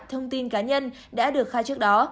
thông tin cá nhân đã được khai trước đó